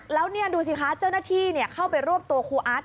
แล้วนี่ดูสิครับเจขนาทีเข้าไปรวบครูอาร์ด